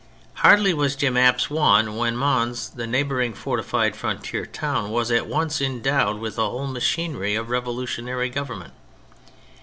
Hardly was Jemappes won when Mons, the neighbouring fortified frontier town, was at once endowed with the whole machinery of revolutionary government.